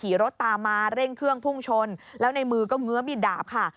รถตามมาเร่งเครื่องพุ่งชนแล้วในมือก็เงื้อมิดดาบค่ะ